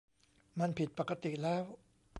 มันผิดปกติแล้ว